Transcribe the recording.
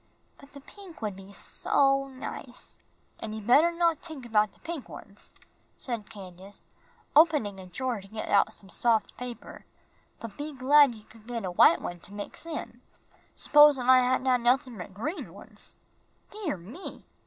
"But the pink one would be so nice." "An' you better not tink about de pink ones," said Candace, opening a drawer to get out some soft paper, "but be glad you could get a white one to mix in. S'posin' I hadn't had nothin' but green ones." "Dear me!"